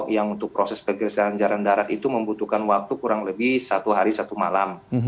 yang untuk proses pergeseran jalan darat itu membutuhkan waktu kurang lebih satu hari satu malam